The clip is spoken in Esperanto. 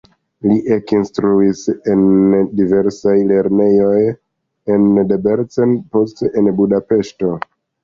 Li ekinstruis en diversaj lernejoj en Debrecen, poste en Budapeŝto.